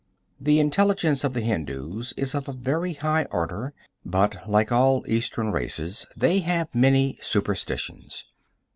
The intelligence of the Hindus is of a very high order, but, like all Eastern races, they have many superstitions.